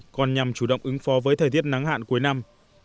còn nhằm chủ động ứng phó với thời tiết nắng hạn cuối năm